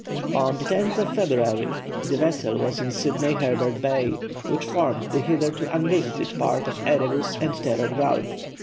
On February 10 the vessel was in Sydney Herbert Bay, which formed the hitherto unvisited part of Erebus and Terror Gulf.